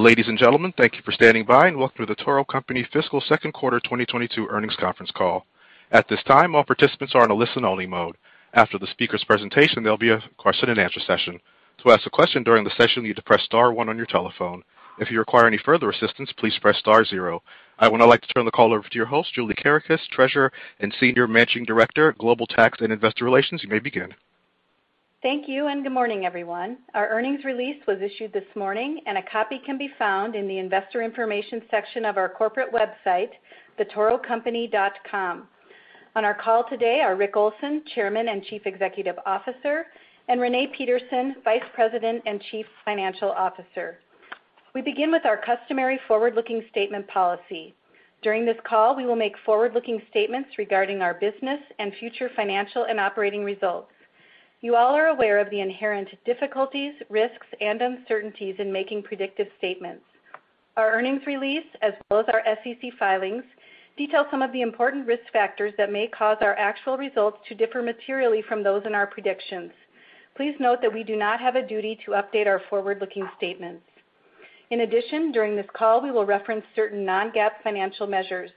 Ladies and gentlemen, thank you for standing by and welcome to The Toro Company fiscal second quarter 2022 earnings conference call. At this time, all participants are in a listen-only mode. After the speaker's presentation, there'll be a question-and-answer session. To ask a question during the session, you need to press star one on your telephone. If you require any further assistance, please press star zero. I would now like to turn the call over to your host, Julie Kerekes, Treasurer and Senior Managing Director, Global Tax and Investor Relations. You may begin. Thank you, and good morning, everyone. Our earnings release was issued this morning, and a copy can be found in the investor information section of our corporate website, thetorocompany.com. On our call today are Rick Olson, Chairman and Chief Executive Officer, and Renee Peterson, Vice President and Chief Financial Officer. We begin with our customary forward-looking statement policy. During this call, we will make forward-looking statements regarding our business and future financial and operating results. You all are aware of the inherent difficulties, risks, and uncertainties in making predictive statements. Our earnings release, as well as our SEC filings, detail some of the important risk factors that may cause our actual results to differ materially from those in our predictions. Please note that we do not have a duty to update our forward-looking statements. In addition, during this call we will reference certain non-GAAP financial measures.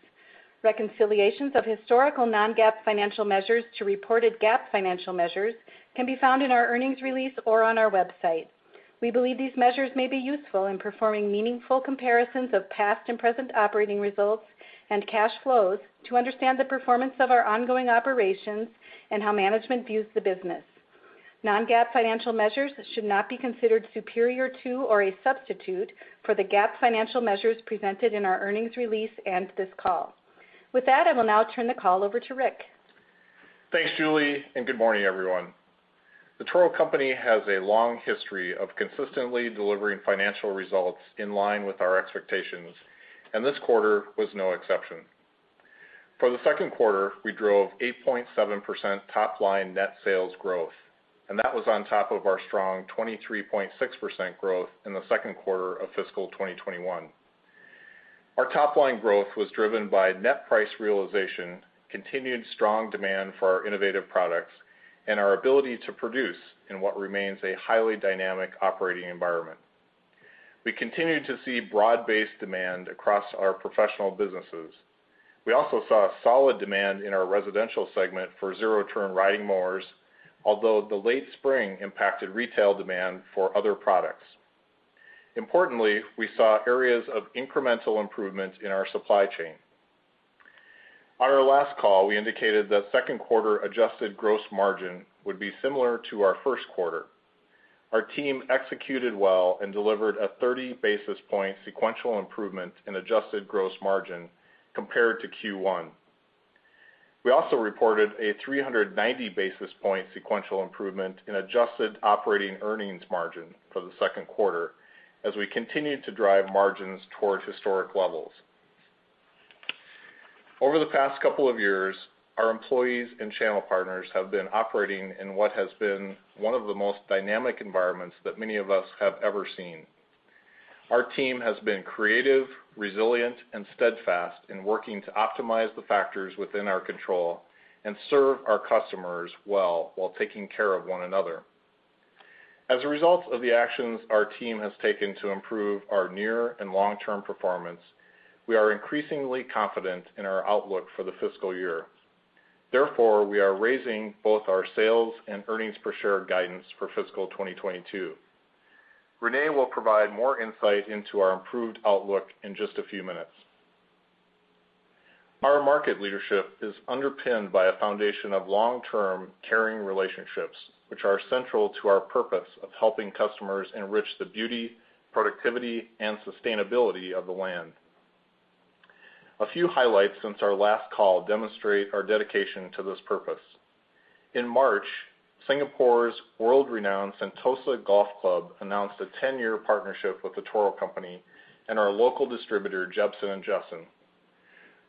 Reconciliations of historical non-GAAP financial measures to reported GAAP financial measures can be found in our earnings release or on our website. We believe these measures may be useful in performing meaningful comparisons of past and present operating results and cash flows to understand the performance of our ongoing operations and how management views the business. Non-GAAP financial measures should not be considered superior to or a substitute for the GAAP financial measures presented in our earnings release and this call. With that, I will now turn the call over to Rick. Thanks, Julie, and good morning, everyone. The Toro Company has a long history of consistently delivering financial results in line with our expectations, and this quarter was no exception. For the second quarter, we drove 8.7% top-line net sales growth, and that was on top of our strong 23.6% growth in the second quarter of fiscal 2021. Our top-line growth was driven by net price realization, continued strong demand for our innovative products, and our ability to produce in what remains a highly dynamic operating environment. We continue to see broad-based demand across our professional businesses. We also saw solid demand in our residential segment for zero turn riding mowers. Although the late spring impacted retail demand for other products. Importantly, we saw areas of incremental improvement in our supply chain. On our last call, we indicated that second quarter adjusted gross margin would be similar to our first quarter. Our team executed well and delivered a 30 basis point sequential improvement in adjusted gross margin compared to Q1. We also reported a 390 basis point sequential improvement in adjusted operating earnings margin for the second quarter as we continued to drive margins towards historic levels. Over the past couple of years, our employees and channel partners have been operating in what has been one of the most dynamic environments that many of us have ever seen. Our team has been creative, resilient, and steadfast in working to optimize the factors within our control and serve our customers well while taking care of one another. As a result of the actions our team has taken to improve our near and long-term performance, we are increasingly confident in our outlook for the fiscal year. Therefore, we are raising both our sales and earnings per share guidance for fiscal 2022. Renee will provide more insight into our improved outlook in just a few minutes. Our market leadership is underpinned by a foundation of long-term caring relationships, which are central to our purpose of helping customers enrich the beauty, productivity, and sustainability of the land. A few highlights since our last call demonstrate our dedication to this purpose. In March, Singapore's world-renowned Sentosa Golf Club announced a 10-year partnership with The Toro Company and our local distributor, Jebsen & Jessen.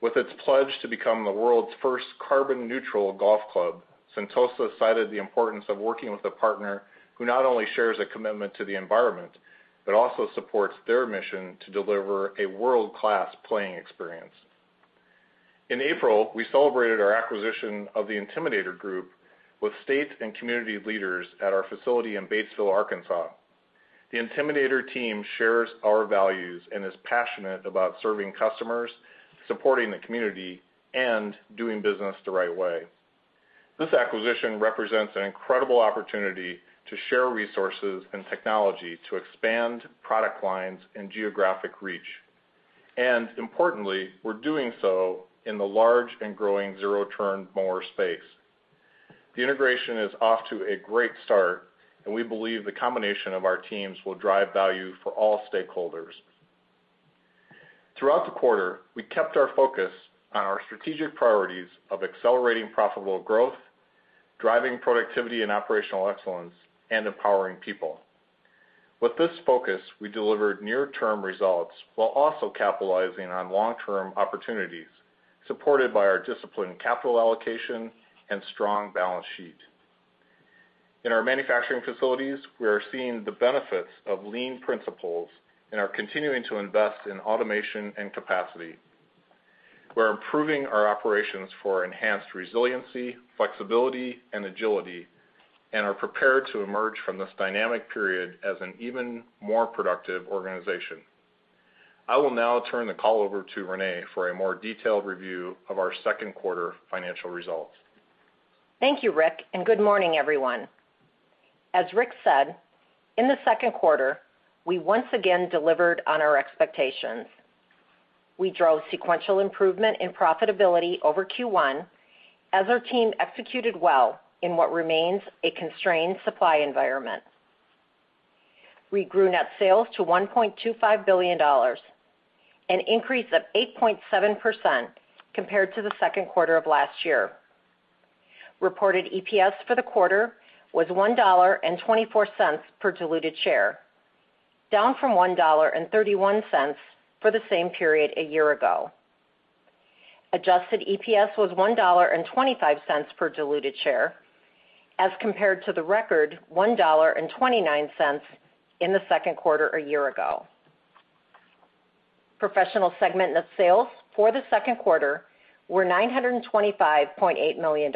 With its pledge to become the world's first carbon neutral golf club, Sentosa cited the importance of working with a partner who not only shares a commitment to the environment but also supports their mission to deliver a world-class playing experience. In April, we celebrated our acquisition of the Intimidator Group with state and community leaders at our facility in Batesville, Arkansas. The Intimidator team shares our values and is passionate about serving customers, supporting the community, and doing business the right way. This acquisition represents an incredible opportunity to share resources and technology to expand product lines and geographic reach. Importantly, we're doing so in the large and growing zero turn mower space. The integration is off to a great start, and we believe the combination of our teams will drive value for all stakeholders. Throughout the quarter, we kept our focus on our strategic priorities of accelerating profitable growth, driving productivity and operational excellence, and empowering people. With this focus, we delivered near-term results while also capitalizing on long-term opportunities supported by our disciplined capital allocation and strong balance sheet. In our manufacturing facilities, we are seeing the benefits of lean principles and are continuing to invest in automation and capacity. We're improving our operations for enhanced resiliency, flexibility, and agility, and are prepared to emerge from this dynamic period as an even more productive organization. I will now turn the call over to Renee for a more detailed review of our second quarter financial results. Thank you, Rick, and good morning, everyone. As Rick said, in the second quarter, we once again delivered on our expectations. We drove sequential improvement in profitability over Q1 as our team executed well in what remains a constrained supply environment. We grew net sales to $1.25 billion, an increase of 8.7% compared to the second quarter of last year. Reported EPS for the quarter was $1.24 per diluted share, down from $1.31 for the same period a year ago. Adjusted EPS was $1.25 per diluted share as compared to the record $1.29 in the second quarter a year ago. Professional segment net sales for the second quarter were $925.8 million,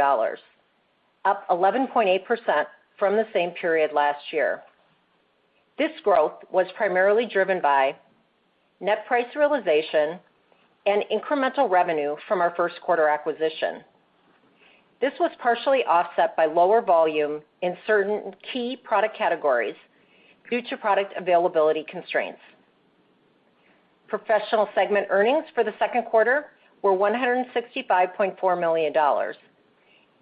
up 11.8% from the same period last year. This growth was primarily driven by net price realization and incremental revenue from our first quarter acquisition. This was partially offset by lower volume in certain key product categories due to product availability constraints. Professional segment earnings for the second quarter were $165.4 million,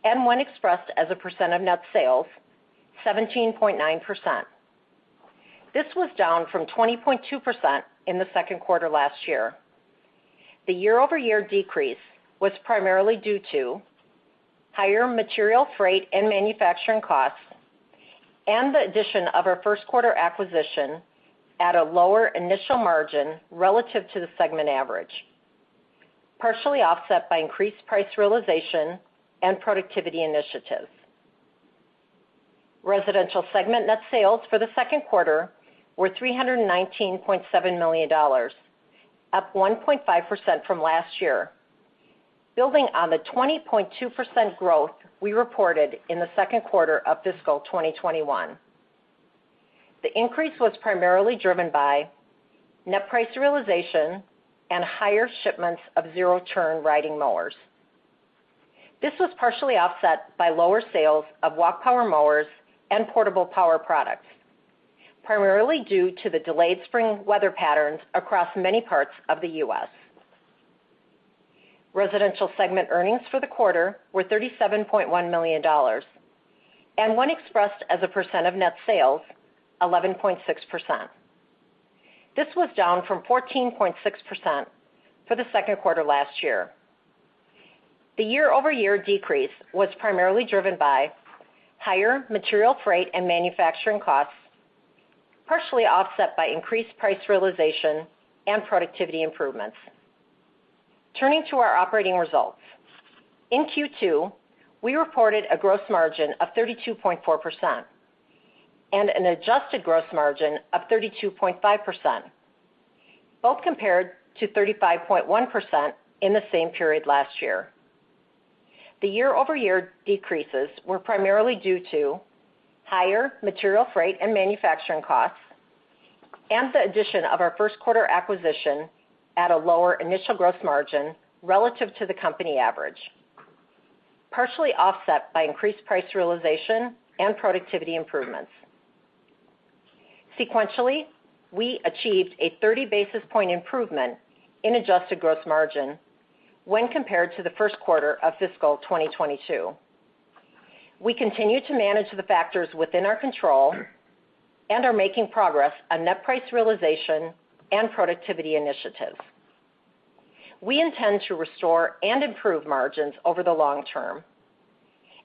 and when expressed as a percent of net sales, 17.9%. This was down from 20.2% in the second quarter last year. The year-over-year decrease was primarily due to higher material freight and manufacturing costs and the addition of our first quarter acquisition at a lower initial margin relative to the segment average, partially offset by increased price realization and productivity initiatives. Residential segment net sales for the second quarter were $319.7 million, up 1.5% from last year, building on the 20.2% growth we reported in the second quarter of fiscal 2021. The increase was primarily driven by net price realization and higher shipments of zero-turn riding mowers. This was partially offset by lower sales of walk power mowers and portable power products, primarily due to the delayed spring weather patterns across many parts of the U.S. Residential segment earnings for the quarter were $37.1 million, and when expressed as a percent of net sales, 11.6%. This was down from 14.6% for the second quarter last year. The year-over-year decrease was primarily driven by higher material freight and manufacturing costs, partially offset by increased price realization and productivity improvements. Turning to our operating results. In Q2, we reported a gross margin of 32.4% and an adjusted gross margin of 32.5%, both compared to 35.1% in the same period last year. The year-over-year decreases were primarily due to higher material freight and manufacturing costs and the addition of our first quarter acquisition at a lower initial gross margin relative to the company average, partially offset by increased price realization and productivity improvements. Sequentially, we achieved a 30 basis point improvement in adjusted gross margin when compared to the first quarter of fiscal 2022. We continue to manage the factors within our control and are making progress on net price realization and productivity initiatives. We intend to restore and improve margins over the long term.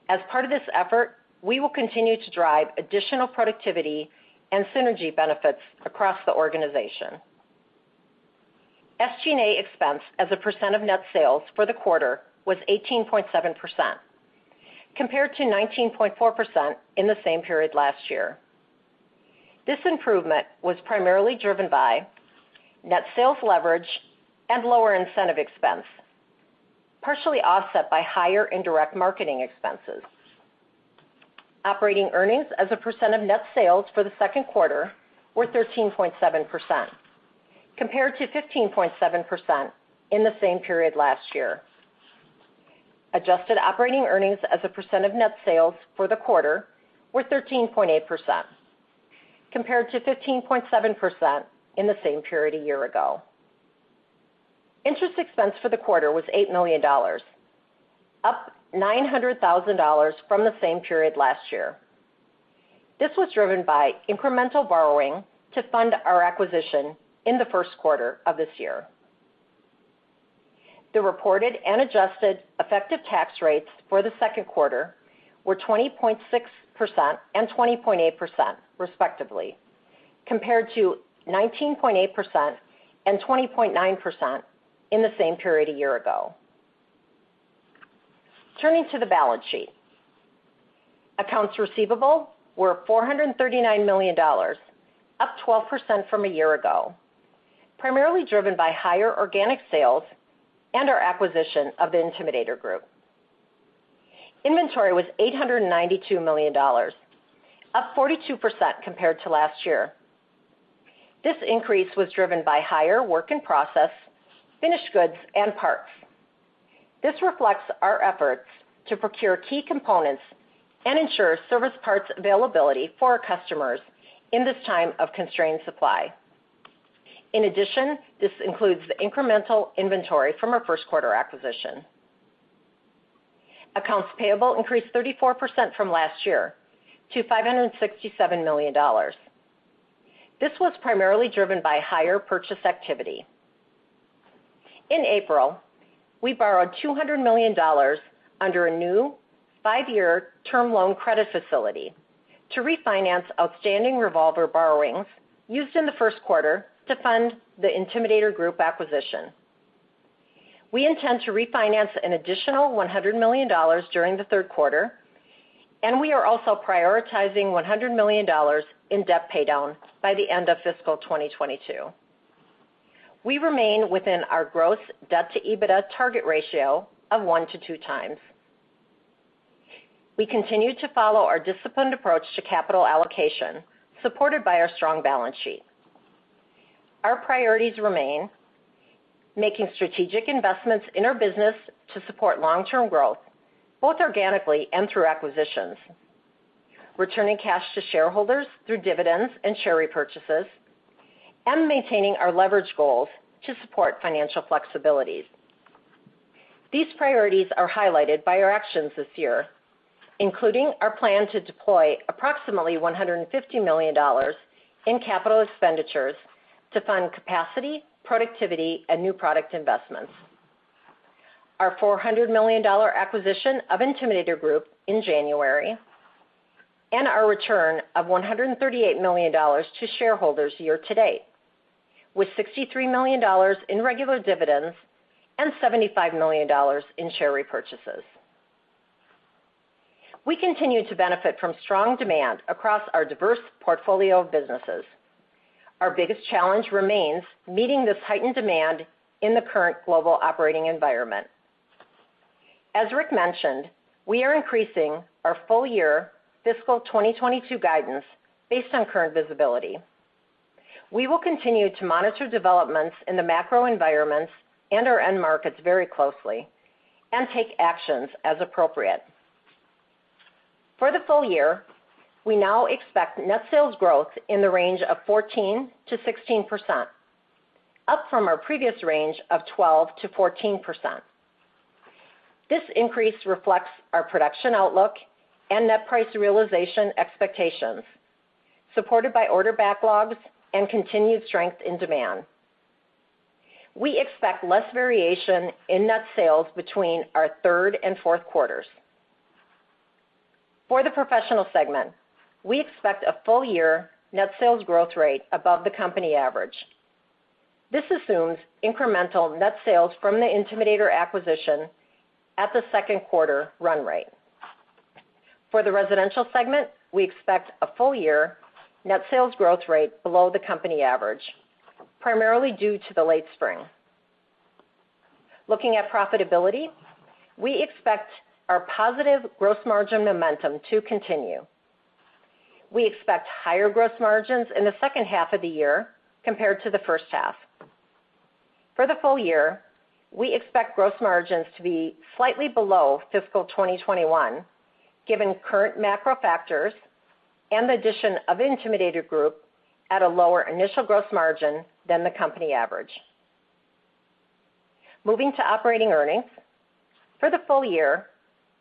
As part of this effort, we will continue to drive additional productivity and synergy benefits across the organization. SG&A expense as a percent of net sales for the quarter was 18.7%, compared to 19.4% in the same period last year. This improvement was primarily driven by net sales leverage and lower incentive expense, partially offset by higher indirect marketing expenses. Operating earnings as a percent of net sales for the second quarter were 13.7%, compared to 15.7% in the same period last year. Adjusted operating earnings as a percent of net sales for the quarter were 13.8%, compared to 15.7% in the same period a year ago. Interest expense for the quarter was $8 million, up $900 thousand from the same period last year. This was driven by incremental borrowing to fund our acquisition in the first quarter of this year. The reported and adjusted effective tax rates for the second quarter were 20.6% and 20.8% respectively, compared to 19.8% and 20.9% in the same period a year ago. Turning to the balance sheet. Accounts receivable were $439 million, up 12% from a year ago, primarily driven by higher organic sales and our acquisition of The Intimidator Group. Inventory was $892 million, up 42% compared to last year. This increase was driven by higher work in process, finished goods and parts. This reflects our efforts to procure key components and ensure service parts availability for our customers in this time of constrained supply. In addition, this includes the incremental inventory from our first quarter acquisition. Accounts payable increased 34% from last year to $567 million. This was primarily driven by higher purchase activity. In April, we borrowed $200 million under a new five-year term loan credit facility to refinance outstanding revolver borrowings used in the first quarter to fund The Intimidator Group acquisition. We intend to refinance an additional $100 million during the third quarter, and we are also prioritizing $100 million in debt paydown by the end of fiscal 2022. We remain within our gross debt-to-EBITDA target ratio of 1:2 times. We continue to follow our disciplined approach to capital allocation, supported by our strong balance sheet. Our priorities remain making strategic investments in our business to support long-term growth, both organically and through acquisitions, returning cash to shareholders through dividends and share repurchases, and maintaining our leverage goals to support financial flexibilities. These priorities are highlighted by our actions this year, including our plan to deploy approximately $150 million in capital expenditures to fund capacity, productivity and new product investments. Our $400 million acquisition of Intimidator Group in January, and our return of $138 million to shareholders year to date, with $63 million in regular dividends and $75 million in share repurchases. We continue to benefit from strong demand across our diverse portfolio of businesses. Our biggest challenge remains meeting this heightened demand in the current global operating environment. As Rick mentioned, we are increasing our full year fiscal 2022 guidance based on current visibility. We will continue to monitor developments in the macro environments and our end markets very closely and take actions as appropriate. For the full year, we now expect net sales growth in the range of 14%-16%, up from our previous range of 12%-14%. This increase reflects our production outlook and net price realization expectations, supported by order backlogs and continued strength in demand. We expect less variation in net sales between our third and fourth quarters. For the Professional segment, we expect a full year net sales growth rate above the company average. This assumes incremental net sales from the Intimidator acquisition at the second quarter run rate. For the Residential segment, we expect a full year net sales growth rate below the company average, primarily due to the late spring. Looking at profitability, we expect our positive gross margin momentum to continue. We expect higher gross margins in the second half of the year compared to the first half. For the full year, we expect gross margins to be slightly below fiscal 2021, given current macro factors and the addition of Intimidator Group at a lower initial gross margin than the company average. Moving to operating earnings. For the full year,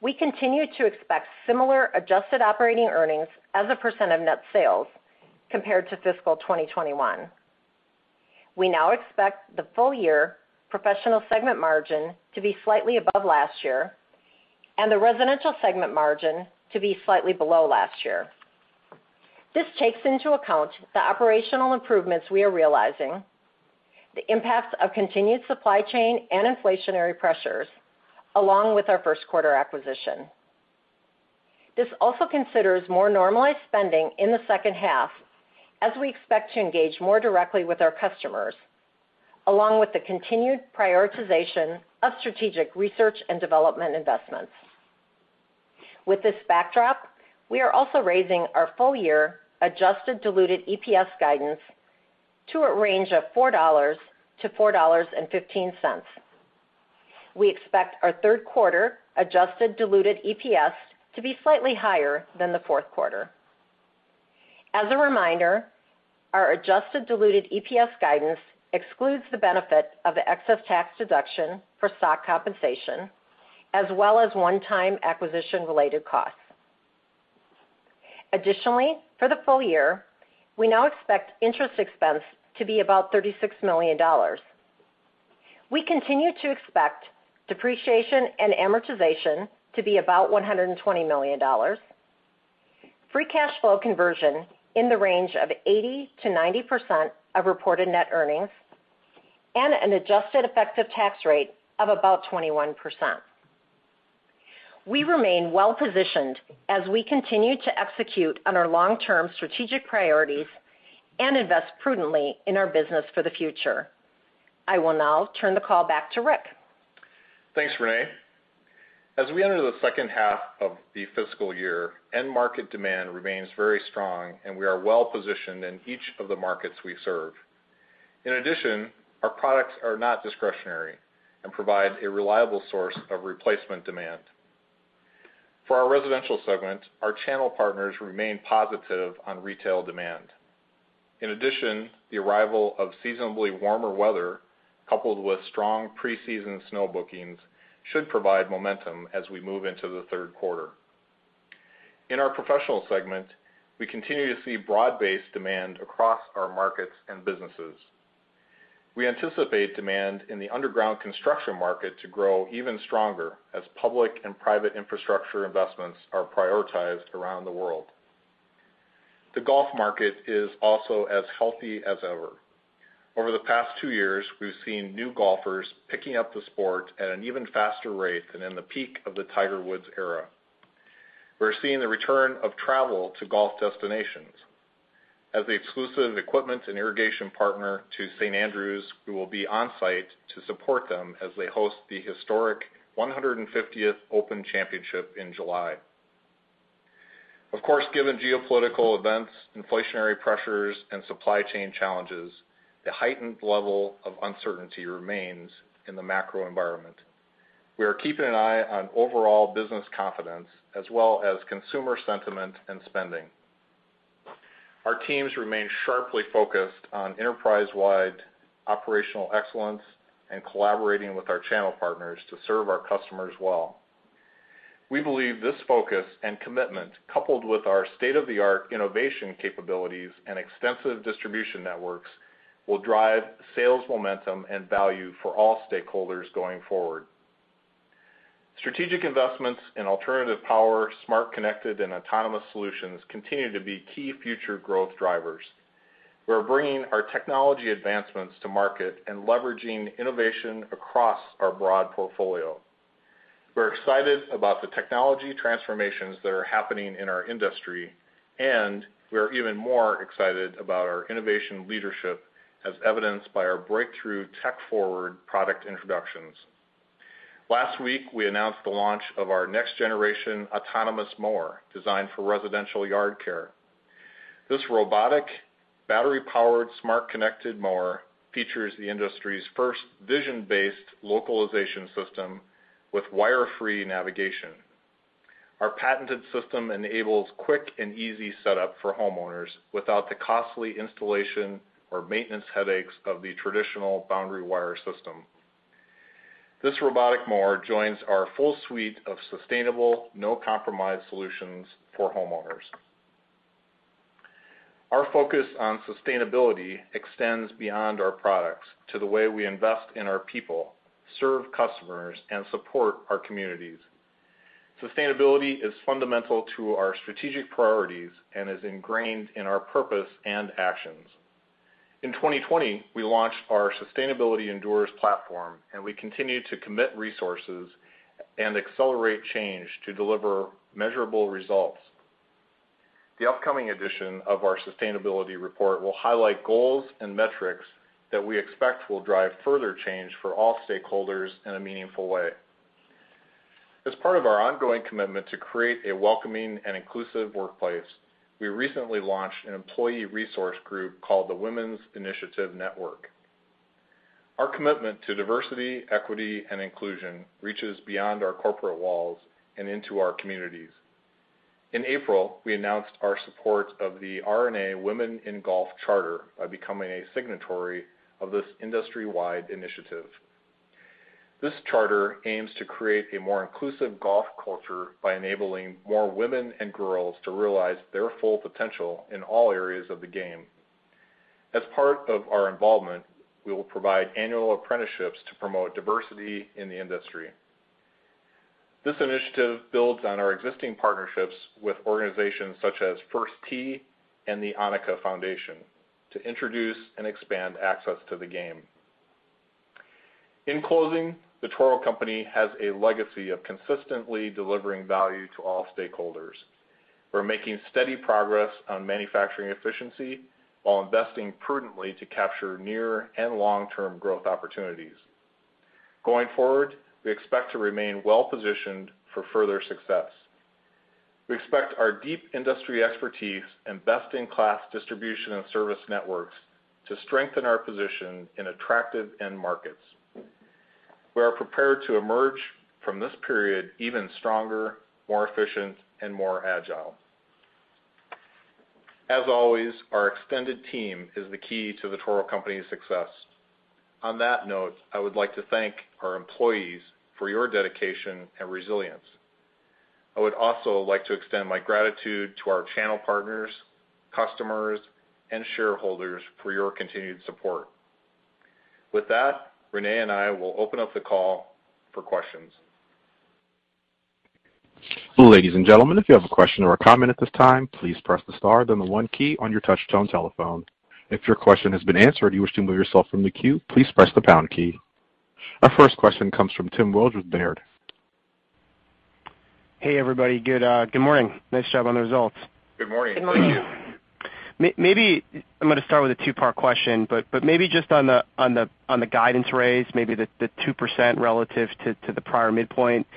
we continue to expect similar adjusted operating earnings as a % of net sales compared to fiscal 2021. We now expect the full year Professional segment margin to be slightly above last year and the Residential segment margin to be slightly below last year. This takes into account the operational improvements we are realizing, the impacts of continued supply chain and inflationary pressures, along with our first quarter acquisition. This also considers more normalized spending in the second half as we expect to engage more directly with our customers, along with the continued prioritization of strategic research and development investments. With this backdrop, we are also raising our full year adjusted diluted EPS guidance to a range of $4-$4.15. We expect our third quarter adjusted diluted EPS to be slightly higher than the fourth quarter. As a reminder, our adjusted diluted EPS guidance excludes the benefit of the excess tax deduction for stock compensation, as well as one-time acquisition-related costs. Additionally, for the full year, we now expect interest expense to be about $36 million. We continue to expect depreciation and amortization to be about $120 million. Free cash flow conversion in the range of 80%-90% of reported net earnings, and an adjusted effective tax rate of about 21%. We remain well-positioned as we continue to execute on our long-term strategic priorities and invest prudently in our business for the future. I will now turn the call back to Rick. Thanks, Renee. As we enter the second half of the fiscal year, end market demand remains very strong, and we are well-positioned in each of the markets we serve. In addition, our products are not discretionary and provide a reliable source of replacement demand. For our residential segment, our channel partners remain positive on retail demand. In addition, the arrival of seasonally warmer weather, coupled with strong pre-season snow bookings, should provide momentum as we move into the third quarter. In our professional segment, we continue to see broad-based demand across our markets and businesses. We anticipate demand in the underground construction market to grow even stronger as public and private infrastructure investments are prioritized around the world. The golf market is also as healthy as ever. Over the past two years, we've seen new golfers picking up the sport at an even faster rate than in the peak of the Tiger Woods era. We're seeing the return of travel to golf destinations. As the exclusive equipment and irrigation partner to St. Andrews, we will be on-site to support them as they host the historic 150th Open Championship in July. Of course, given geopolitical events, inflationary pressures, and supply chain challenges, the heightened level of uncertainty remains in the macro environment. We are keeping an eye on overall business confidence as well as consumer sentiment and spending. Our teams remain sharply focused on enterprise-wide operational excellence and collaborating with our channel partners to serve our customers well. We believe this focus and commitment, coupled with our state-of-the-art innovation capabilities and extensive distribution networks, will drive sales momentum and value for all stakeholders going forward. Strategic investments in alternative power, smart connected, and autonomous solutions continue to be key future growth drivers. We're bringing our technology advancements to market and leveraging innovation across our broad portfolio. We're excited about the technology transformations that are happening in our industry, and we are even more excited about our innovation leadership as evidenced by our breakthrough tech-forward product introductions. Last week, we announced the launch of our next-generation autonomous mower designed for residential yard care. This robotic, battery-powered, smart connected mower features the industry's first vision-based localization system with wire-free navigation. Our patented system enables quick and easy setup for homeowners without the costly installation or maintenance headaches of the traditional boundary wire system. This robotic mower joins our full suite of sustainable, no-compromise solutions for homeowners. Our focus on sustainability extends beyond our products to the way we invest in our people, serve customers, and support our communities. Sustainability is fundamental to our strategic priorities and is ingrained in our purpose and actions. In 2020, we launched our Sustainability Endures platform, and we continue to commit resources and accelerate change to deliver measurable results. The upcoming edition of our sustainability report will highlight goals and metrics that we expect will drive further change for all stakeholders in a meaningful way. As part of our ongoing commitment to create a welcoming and inclusive workplace, we recently launched an employee resource group called the Women's Initiative Network. Our commitment to diversity, equity, and inclusion reaches beyond our corporate walls and into our communities. In April, we announced our support of the R&A Women in Golf Charter by becoming a signatory of this industry-wide initiative. This charter aims to create a more inclusive golf culture by enabling more women and girls to realize their full potential in all areas of the game. As part of our involvement, we will provide annual apprenticeships to promote diversity in the industry. This initiative builds on our existing partnerships with organizations such as First Tee and the ANNIKA Foundation to introduce and expand access to the game. In closing, The Toro Company has a legacy of consistently delivering value to all stakeholders. We're making steady progress on manufacturing efficiency while investing prudently to capture near and long-term growth opportunities. Going forward, we expect to remain well-positioned for further success. We expect our deep industry expertise and best-in-class distribution and service networks to strengthen our position in attractive end markets. We are prepared to emerge from this period even stronger, more efficient, and more agile. As always, our extended team is the key to The Toro Company's success. On that note, I would like to thank our employees for your dedication and resilience. I would also like to extend my gratitude to our channel partners, customers, and shareholders for your continued support. With that, Renee and I will open up the call for questions. Ladies and gentlemen, if you have a question or a comment at this time, please press the star, then the one key on your touchtone telephone. If your question has been answered and you wish to remove yourself from the queue, please press the pound key. Our first question comes from Tim Wojs with Baird. Hey, everybody. Good morning. Nice job on the results. Good morning. Good morning. Maybe I'm gonna start with a two-part question, but maybe just on the guidance raise, maybe the 2% relative to the prior midpoint,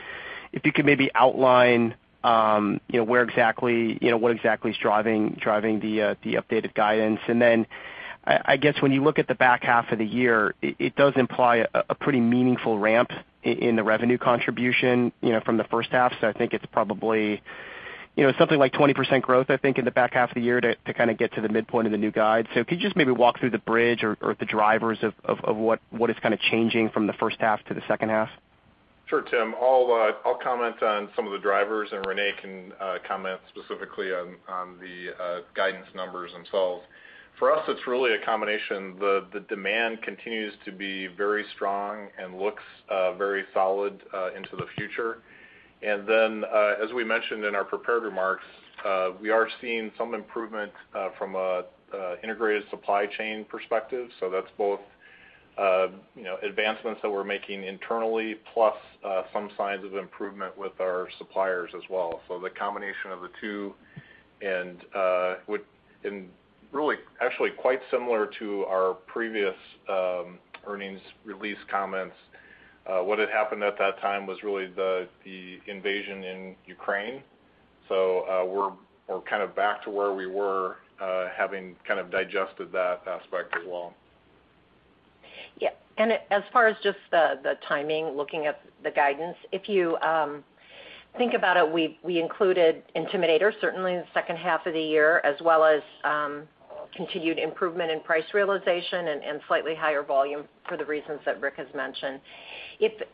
if you could maybe outline, you know, where exactly, you know, what exactly is driving the updated guidance. Then I guess when you look at the back half of the year, it does imply a pretty meaningful ramp in the revenue contribution, you know, from the first half. I think it's probably, you know, something like 20% growth, I think, in the back half of the year to kind of get to the midpoint of the new guide. Could you just maybe walk through the bridge or the drivers of what is kinda changing from the first half to the second half? Sure, Tim. I'll comment on some of the drivers, and Renee can comment specifically on the guidance numbers themselves. For us, it's really a combination. The demand continues to be very strong and looks very solid into the future. Then, as we mentioned in our prepared remarks, we are seeing some improvement from an integrated supply chain perspective. That's both, you know, advancements that we're making internally, plus some signs of improvement with our suppliers as well. The combination of the two really actually quite similar to our previous earnings release comments. What had happened at that time was really the invasion in Ukraine. We're kind of back to where we were, having kind of digested that aspect as well. Yeah. As far as just the timing, looking at the guidance, if you think about it, we included Intimidator certainly in the second half of the year, as well as continued improvement in price realization and slightly higher volume for the reasons that Rick has mentioned.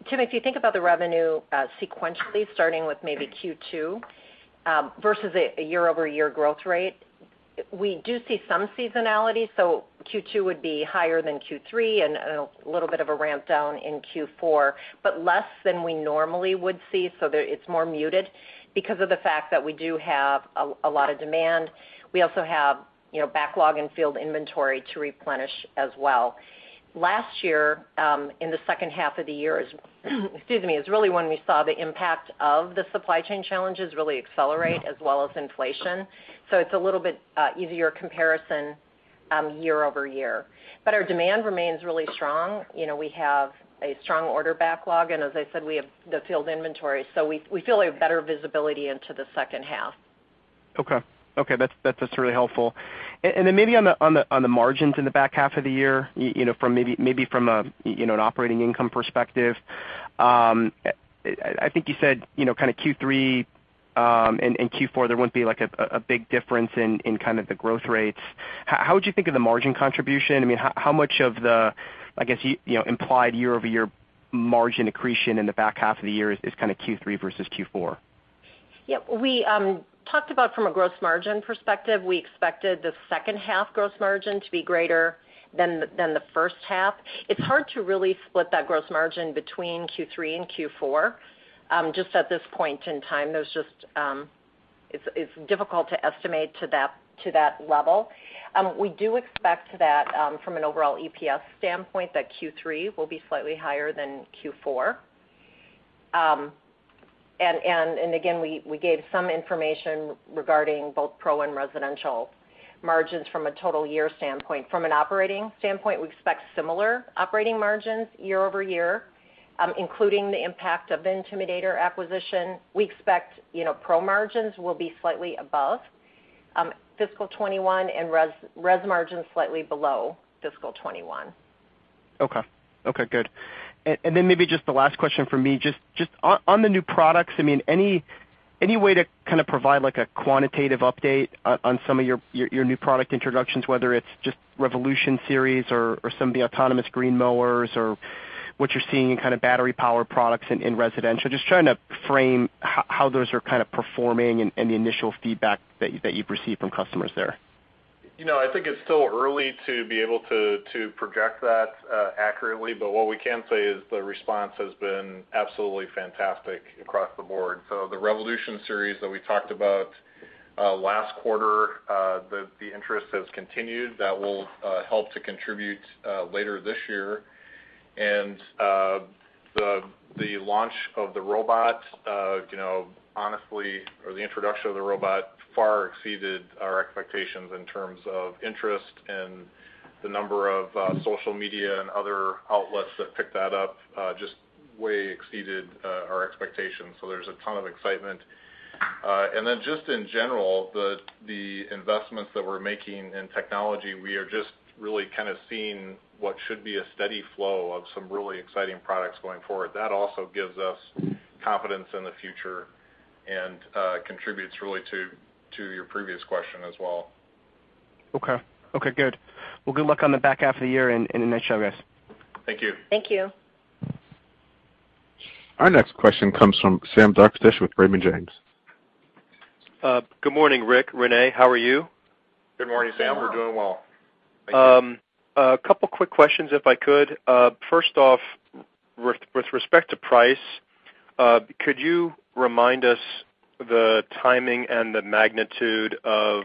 Tim, if you think about the revenue sequentially, starting with maybe Q2 versus a year-over-year growth rate, we do see some seasonality, so Q2 would be higher than Q3 and a little bit of a ramp down in Q4, but less than we normally would see, so there it's more muted because of the fact that we do have a lot of demand. We also have, you know, backlog and field inventory to replenish as well. Last year, in the second half of the year is really when we saw the impact of the supply chain challenges really accelerate as well as inflation. It's a little bit easier comparison year over year. Our demand remains really strong. You know, we have a strong order backlog, and as I said, we have the field inventory, so we feel we have better visibility into the second half. Okay. That's really helpful. Then maybe on the margins in the back half of the year, you know, from an operating income perspective, I think you said, you know, kinda Q3 and Q4, there wouldn't be like a big difference in kind of the growth rates. How would you think of the margin contribution? I mean, how much of the, I guess, you know, implied year-over-year margin accretion in the back half of the year is kinda Q3 versus Q4? Yeah. We talked about from a gross margin perspective, we expected the second half gross margin to be greater than the first half. It's hard to really split that gross margin between Q3 and Q4, just at this point in time. It's difficult to estimate to that level. We do expect that, from an overall EPS standpoint, that Q3 will be slightly higher than Q4. Again, we gave some information regarding both pro and residential margins from a total year standpoint. From an operating standpoint, we expect similar operating margins year-over-year, including the impact of the Intimidator acquisition. We expect, you know, pro margins will be slightly above fiscal 2021 and res margins slightly below fiscal 2021. Okay, good. Maybe just the last question from me, just on the new products, I mean, any way to kinda provide like a quantitative update on some of your new product introductions, whether it's just Revolution Series or some of the autonomous greens mowers or what you're seeing in kinda battery power products in residential? Just trying to frame how those are kinda performing and the initial feedback that you've received from customers there. You know, I think it's still early to be able to project that accurately, but what we can say is the response has been absolutely fantastic across the board. The Revolution Series that we talked about last quarter, the interest has continued. That will help to contribute later this year. The launch of the robot, you know, honestly, or the introduction of the robot far exceeded our expectations in terms of interest and the number of social media and other outlets that picked that up, just way exceeded our expectations, so there's a ton of excitement. Just in general, the investments that we're making in technology, we are just really kinda seeing what should be a steady flow of some really exciting products going forward. That also gives us confidence in the future and, contributes really to your previous question as well. Okay. Okay, good. Well, good luck on the back half of the year and nice job, guys. Thank you. Thank you. Our next question comes from Sam Darkatsh with Raymond James. Good morning, Rick, Renee. How are you? Good morning, Sam. We're doing well. Thank you. A couple quick questions, if I could. First off, with respect to price, could you remind us the timing and the magnitude of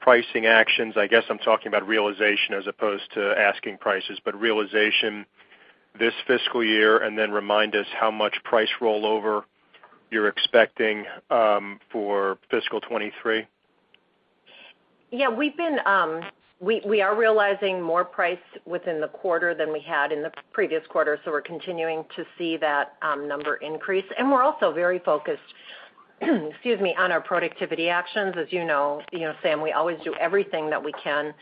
pricing actions? I guess I'm talking about realization as opposed to asking prices, but realization this fiscal year, and then remind us how much price rollover you're expecting, for fiscal 2023. Yeah. We are realizing more price within the quarter than we had in the previous quarter, so we're continuing to see that number increase. We're also very focused, excuse me, on our productivity actions. As you know, Sam, we always do everything that we can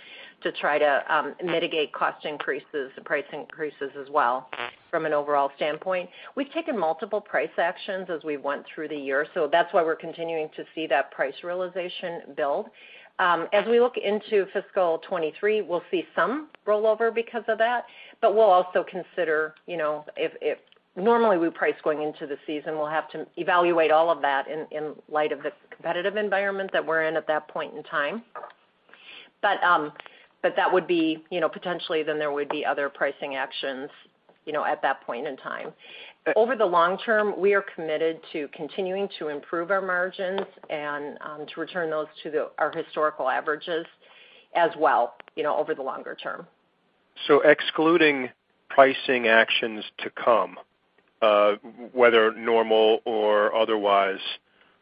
to try to mitigate cost increases and price increases as well from an overall standpoint. We've taken multiple price actions as we went through the year, so that's why we're continuing to see that price realization build. As we look into fiscal 2023, we'll see some rollover because of that, but we'll also consider, you know, if. Normally, we price going into the season. We'll have to evaluate all of that in light of the competitive environment that we're in at that point in time. that would be, you know, potentially then there would be other pricing actions, you know, at that point in time. Over the long term, we are committed to continuing to improve our margins and to return those to our historical averages as well, you know, over the longer term. Excluding pricing actions to come, whether normal or otherwise,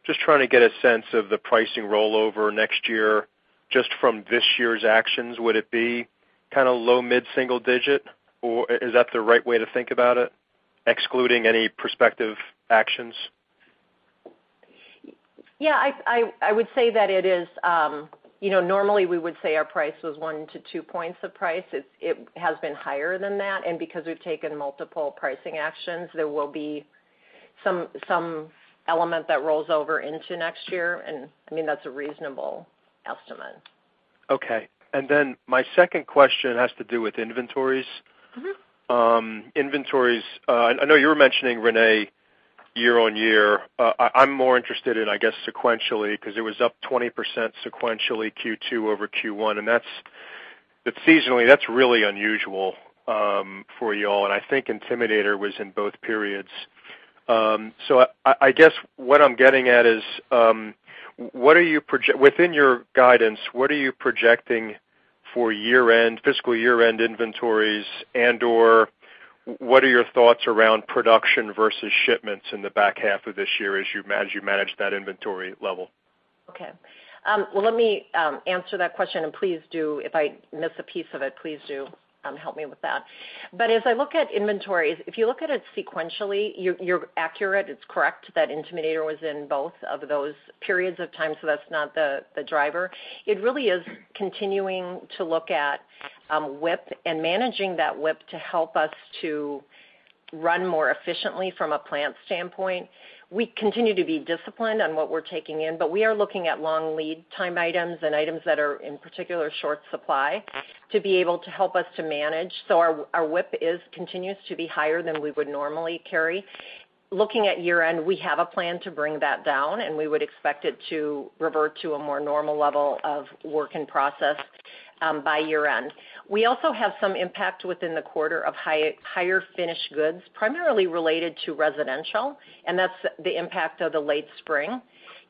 just trying to get a sense of the pricing rollover next year just from this year's actions. Would it be kinda low mid-single digit, or is that the right way to think about it, excluding any prospective actions? Yeah. I would say that it is. You know, normally, we would say our price was 1-2 points of price. It has been higher than that. Because we've taken multiple pricing actions, there will be some element that rolls over into next year. I mean, that's a reasonable estimate. Okay. My second question has to do with inventories. Mm-hmm. Inventories, I know you were mentioning, Renee, year-over-year. I'm more interested in, I guess, sequentially because it was up 20% sequentially Q2 over Q1, and that's but seasonally, that's really unusual for you all. I think Intimidator was in both periods. So I guess what I'm getting at is, within your guidance, what are you projecting for year-end, fiscal year-end inventories, and/or what are your thoughts around production versus shipments in the back half of this year as you manage that inventory level? Okay. Well, let me answer that question, and please do, if I miss a piece of it, please do help me with that. As I look at inventories, if you look at it sequentially, you're accurate. It's correct that Intimidator was in both of those periods of time, so that's not the driver. It really is continuing to look at WIP and managing that WIP to help us to run more efficiently from a plant standpoint. We continue to be disciplined on what we're taking in, but we are looking at long lead time items and items that are in particular short supply to be able to help us to manage. Our WIP continues to be higher than we would normally carry. Looking at year-end, we have a plan to bring that down, and we would expect it to revert to a more normal level of work in process by year-end. We also have some impact within the quarter of higher finished goods, primarily related to residential, and that's the impact of the late spring.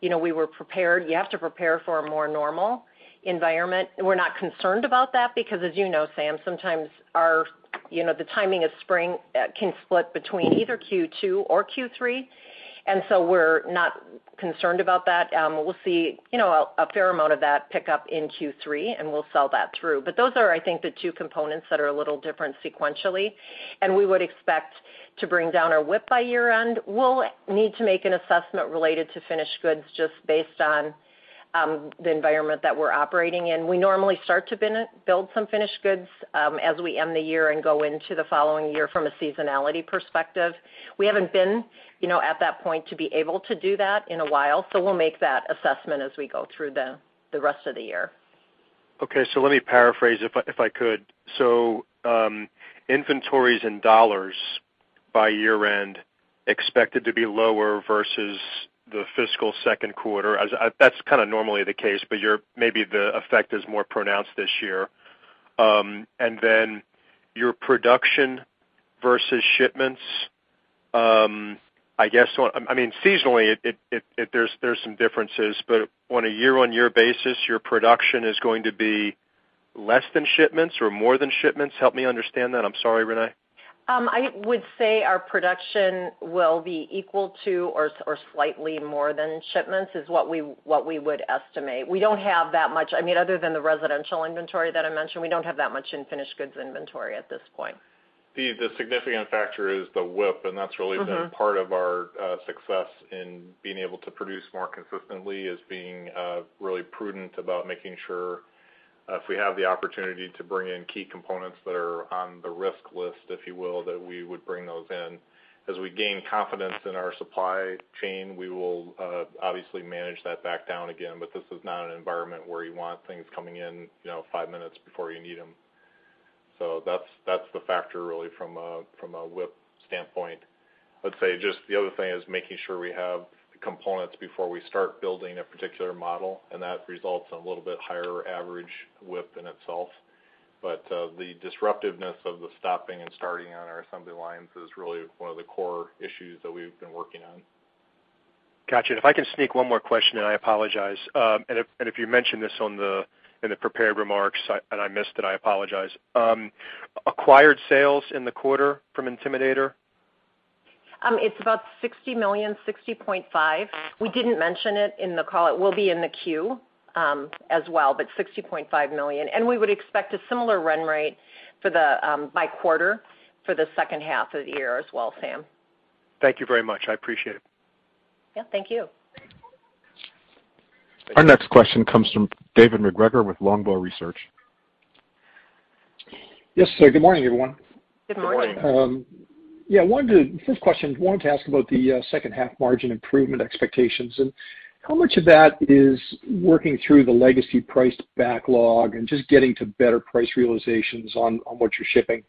You know, we were prepared. You have to prepare for a more normal environment. We're not concerned about that because as you know, Sam, sometimes our, you know, the timing of spring can split between either Q2 or Q3. We're not concerned about that. We'll see, you know, a fair amount of that pick up in Q3, and we'll sell that through. Those are, I think, the two components that are a little different sequentially. We would expect to bring down our WIP by year-end. We'll need to make an assessment related to finished goods just based on the environment that we're operating in. We normally start to build some finished goods as we end the year and go into the following year from a seasonality perspective. We haven't been, you know, at that point to be able to do that in a while, so we'll make that assessment as we go through the rest of the year. Okay. Let me paraphrase if I could. Inventories in dollars by year-end expected to be lower versus the fiscal second quarter. That's kinda normally the case, but maybe the effect is more pronounced this year. Then your production versus shipments. I mean, seasonally, there's some differences, but on a year-on-year basis, your production is going to be less than shipments or more than shipments? Help me understand that. I'm sorry, Renee. I would say our production will be equal to or slightly more than shipments is what we would estimate. We don't have that much, I mean, other than the residential inventory that I mentioned, we don't have that much in finished goods inventory at this point. The significant factor is the WIP, and that's really. Mm-hmm Been part of our success in being able to produce more consistently is being really prudent about making sure if we have the opportunity to bring in key components that are on the risk list, if you will, that we would bring those in. As we gain confidence in our supply chain, we will obviously manage that back down again, but this is not an environment where you want things coming in, you know, five minutes before you need them. That's the factor really from a WIP standpoint. I'd say just the other thing is making sure we have the components before we start building a particular model, and that results in a little bit higher average WIP in itself. The disruptiveness of the stopping and starting on our assembly lines is really one of the core issues that we've been working on. Gotcha. If I can sneak one more question, and I apologize. If you mentioned this in the prepared remarks and I missed it, I apologize. Acquired sales in the quarter from Intimidator? It's about $60 million, $60.5 million. We didn't mention it in the call. It will be in the Q, as well, but $60.5 million. We would expect a similar run rate by quarter for the second half of the year as well, Sam. Thank you very much. I appreciate it. Yeah, thank you. Our next question comes from David MacGregor with Longbow Research. Yes, sir. Good morning, everyone. Good morning. Good morning. Yeah, first question, wanted to ask about the second half margin improvement expectations, and how much of that is working through the legacy priced backlog and just getting to better price realizations on what you're shipping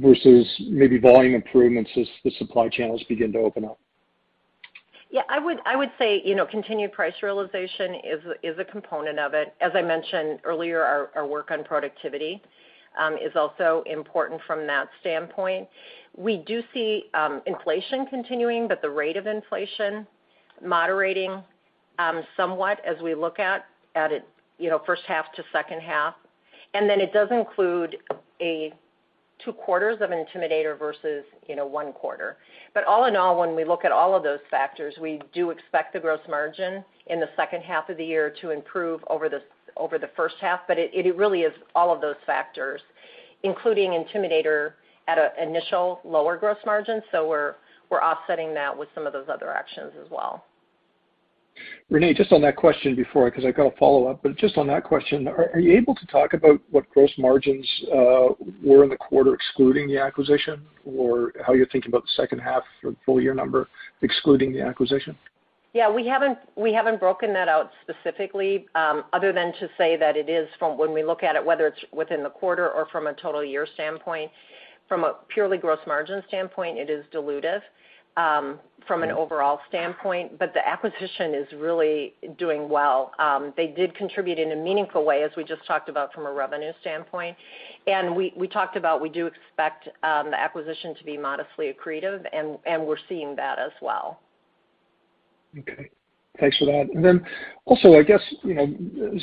versus maybe volume improvements as the supply channels begin to open up? Yeah, I would say, you know, continued price realization is a component of it. As I mentioned earlier, our work on productivity is also important from that standpoint. We do see inflation continuing, but the rate of inflation moderating somewhat as we look at it, you know, first half to second half. Then it does include two quarters of Intimidator versus, you know, one quarter. All in all, when we look at all of those factors, we do expect the gross margin in the second half of the year to improve over the first half. It really is all of those factors, including Intimidator at an initial lower gross margin. We're offsetting that with some of those other actions as well. Renee, just on that question before, because I've got a follow-up, but just on that question, are you able to talk about what gross margins were in the quarter excluding the acquisition or how you're thinking about the second half or full year number excluding the acquisition? Yeah, we haven't broken that out specifically, other than to say that it is from when we look at it, whether it's within the quarter or from a total year standpoint. From a purely gross margin standpoint, it is dilutive, from an overall standpoint. The acquisition is really doing well. They did contribute in a meaningful way, as we just talked about from a revenue standpoint. We talked about we do expect the acquisition to be modestly accretive, and we're seeing that as well. Okay. Thanks for that. I guess, you know,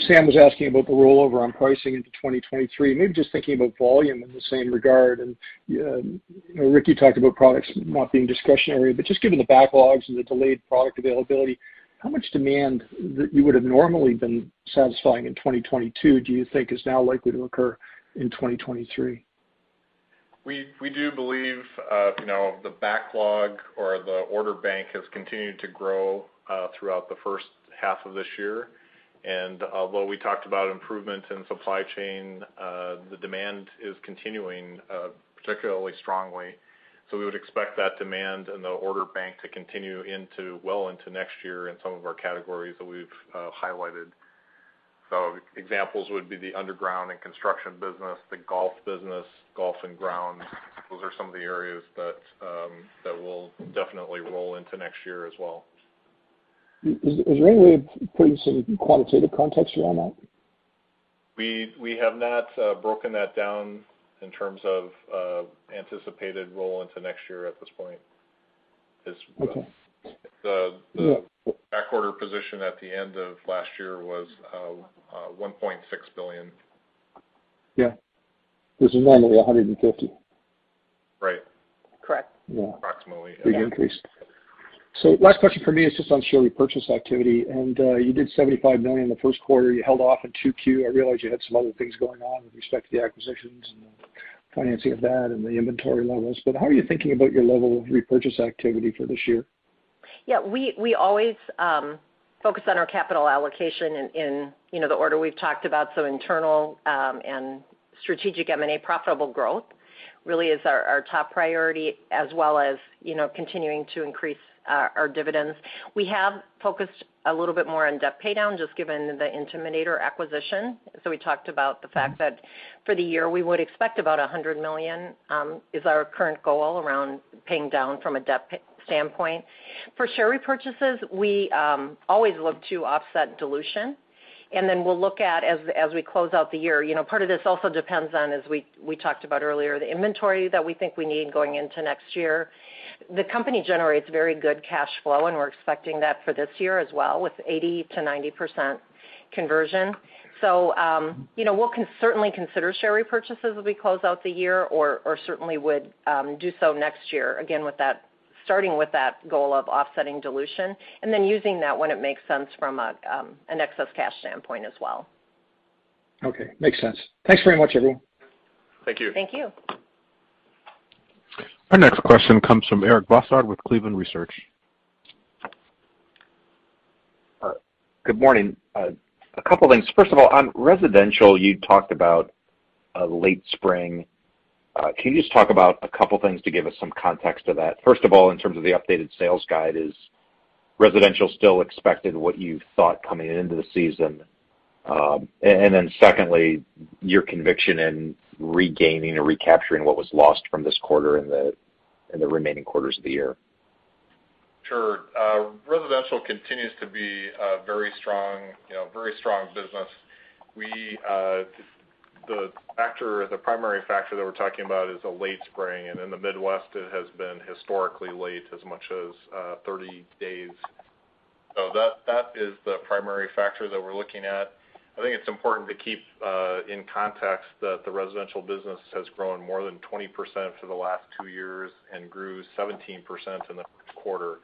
Sam was asking about the rollover on pricing into 2023. Maybe just thinking about volume in the same regard. You know, Rick talked about products not being discretionary, but just given the backlogs and the delayed product availability, how much demand that you would have normally been satisfying in 2022 do you think is now likely to occur in 2023? We do believe you know the backlog or the order bank has continued to grow throughout the first half of this year. Although we talked about improvement in supply chain, the demand is continuing particularly strongly. We would expect that demand and the order bank to continue into well into next year in some of our categories that we've highlighted. Examples would be the underground and construction business, the golf business, golf and ground. Those are some of the areas that will definitely roll into next year as well. Is there any way of putting some quantitative context around that? We have not broken that down in terms of anticipated roll into next year at this point. Okay. The back order position at the end of last year was $1.6 billion. Yeah. Which is normally 150. Right. Correct. Approximately, yeah. Big increase. Last question for me is just on share repurchase activity. You did $75 million in the first quarter. You held off in 2Q. I realize you had some other things going on with respect to the acquisitions and the financing of that and the inventory levels, but how are you thinking about your level of repurchase activity for this year? Yeah, we always focus on our capital allocation in, you know, the order we've talked about. Internal and strategic M&A profitable growth really is our top priority as well as, you know, continuing to increase our dividends. We have focused a little bit more on debt paydown just given the Intimidator acquisition. We talked about the fact that for the year we would expect about $100 million is our current goal around paying down from a debt paydown standpoint. For share repurchases, we always look to offset dilution, and then we'll look at as we close out the year. You know, part of this also depends on, as we talked about earlier, the inventory that we think we need going into next year. The company generates very good cash flow, and we're expecting that for this year as well with 80%-90% conversion. You know, we'll certainly consider share repurchases as we close out the year or certainly would do so next year, again with that, starting with that goal of offsetting dilution and then using that when it makes sense from an excess cash standpoint as well. Okay. Makes sense. Thanks very much, everyone. Thank you. Thank you. Our next question comes from Eric Bosshard with Cleveland Research. All right. Good morning. A couple things. First of all, on residential, you talked about a late spring. Can you just talk about a couple things to give us some context to that? First of all, in terms of the updated sales guide, is residential still expected what you thought coming into the season, and then secondly, your conviction in regaining or recapturing what was lost from this quarter in the remaining quarters of the year? Sure. Residential continues to be a very strong, you know, very strong business. The primary factor that we're talking about is a late spring. In the Midwest, it has been historically late, as much as 30 days. That is the primary factor that we're looking at. I think it's important to keep in context that the residential business has grown more than 20% for the last two years and grew 17% in the quarter.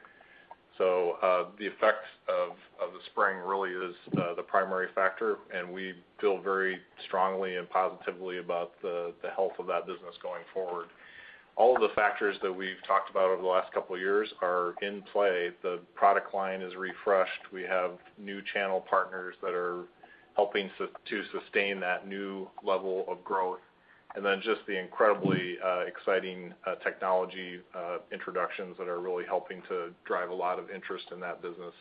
The effects of the spring really is the primary factor, and we feel very strongly and positively about the health of that business going forward. All of the factors that we've talked about over the last couple of years are in play. The product line is refreshed. We have new channel partners that are helping to sustain that new level of growth. Then just the incredibly exciting technology introductions that are really helping to drive a lot of interest in that business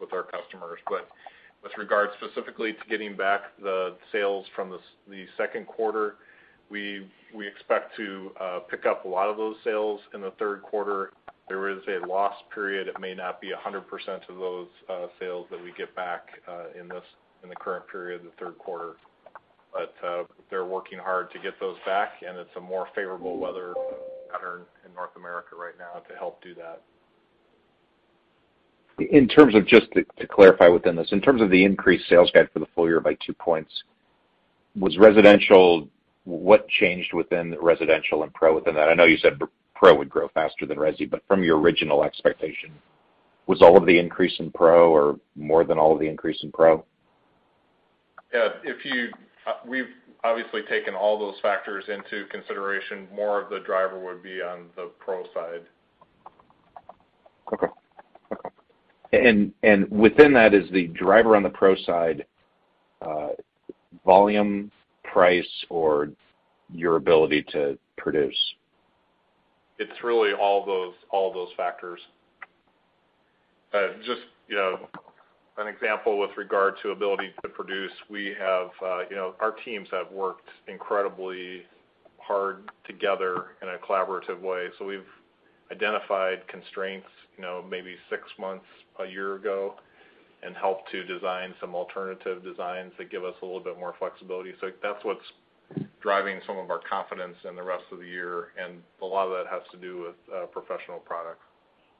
with our customers. With regard specifically to getting back the sales from the second quarter, we expect to pick up a lot of those sales in the third quarter. There is a lull period. It may not be 100% of those sales that we get back in the current period, the third quarter. They're working hard to get those back, and it's a more favorable weather pattern in North America right now to help do that. In terms of just to clarify within this. In terms of the increased sales guide for the full year by 2 points, was residential. What changed within residential and pro within that? I know you said pro would grow faster than resi, but from your original expectation, was all of the increase in pro or more than all of the increase in pro? Yeah. We've obviously taken all those factors into consideration. More of the driver would be on the pro side. Okay. Within that, is the driver on the pro side, volume, price, or your ability to produce? It's really all those factors. Just, you know, an example with regard to ability to produce, we have, you know, our teams have worked incredibly hard together in a collaborative way. We've identified constraints, you know, maybe six months, a year ago, and helped to design some alternative designs that give us a little bit more flexibility. That's what's driving some of our confidence in the rest of the year, and a lot of that has to do with professional products.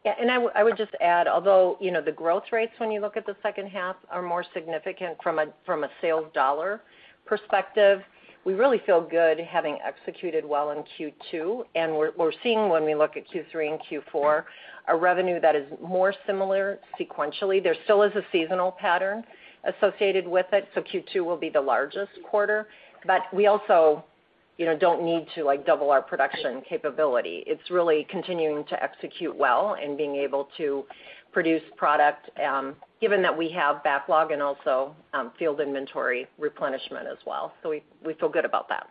Yeah, I would just add, although, you know, the growth rates when you look at the second half are more significant from a sales dollar perspective, we really feel good having executed well in Q2. We're seeing when we look at Q3 and Q4, a revenue that is more similar sequentially. There still is a seasonal pattern associated with it, so Q2 will be the largest quarter. We also, you know, don't need to, like, double our production capability. It's really continuing to execute well and being able to produce product, given that we have backlog and also, field inventory replenishment as well. We feel good about that.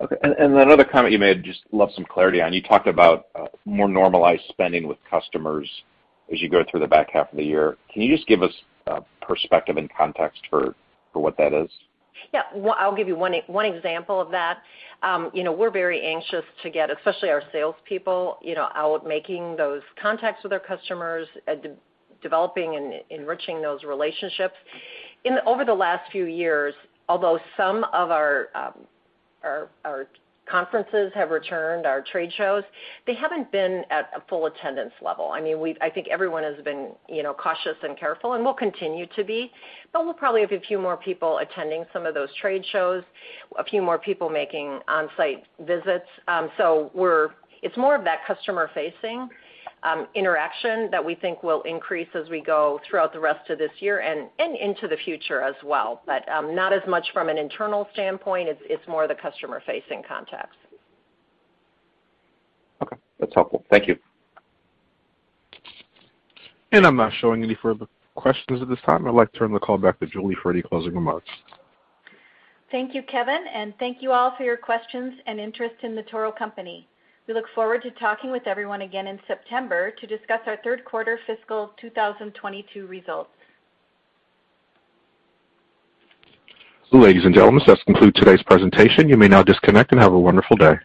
Okay. Another comment you made, I'd love some clarity on. You talked about more normalized spending with customers as you go through the back half of the year. Can you just give us a perspective and context for what that is? Yeah. Well, I'll give you one example of that. You know, we're very anxious to get, especially our salespeople, you know, out making those contacts with our customers, developing and enriching those relationships. Over the last few years, although some of our conferences have returned, our trade shows, they haven't been at a full attendance level. I mean, I think everyone has been, you know, cautious and careful and will continue to be, but we'll probably have a few more people attending some of those trade shows, a few more people making on-site visits. So it's more of that customer-facing interaction that we think will increase as we go throughout the rest of this year and into the future as well. Not as much from an internal standpoint, it's more the customer-facing contacts. Okay. That's helpful. Thank you. I'm not showing any further questions at this time. I'd like to turn the call back to Julie for any closing remarks. Thank you, Kevin. Thank you all for your questions and interest in The Toro Company. We look forward to talking with everyone again in September to discuss our third quarter fiscal 2022 results. Ladies and gentlemen, this does conclude today's presentation. You may now disconnect and have a wonderful day.